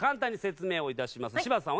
柴田さん